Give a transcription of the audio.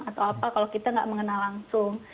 atau apa kalau kita nggak mengenal langsung